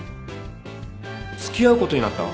付き合うことになった？